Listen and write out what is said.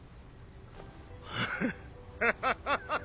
ハハハハ！